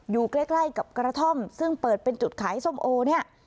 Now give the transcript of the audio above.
อยู่ใกล้ใกล้กับกระท่อมซึ่งเปิดเป็นจุดขายส้มโอเนี่ย